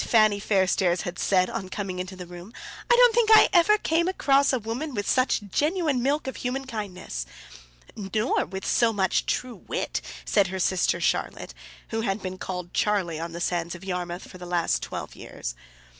Fanny Fairstairs had said on coming into the room. "I don't think I ever came across a woman with such genuine milk of human kindness!" "Nor with so much true wit," said her sister Charlotte, who had been called Charlie on the sands of Yarmouth for the last twelve years.